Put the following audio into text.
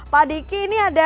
pak diki ini ada yang berkata